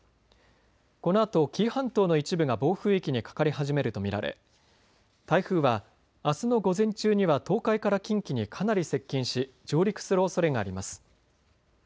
このあと紀伊半島の一部が暴風域にかかり始めると見られ台風はあすの午前中には東海から近畿にかなり接近し上陸するおそれがあります。